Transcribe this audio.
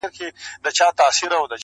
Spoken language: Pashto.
حق لرم چي والوزم اسمان ته الوته لرم،